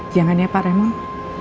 jangan ya pak raymond